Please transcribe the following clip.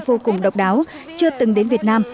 vô cùng độc đáo chưa từng đến việt nam